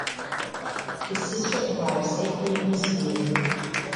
His sister arrived safely in Sweden.